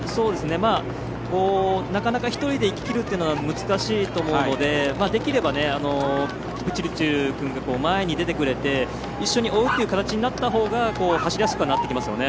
なかなか、１人でいききるっていうのは難しいと思うのでできれば、キプチルチル君が前に出てくれて一緒に追うっていう形になったほうが走りやすくはなってきますよね。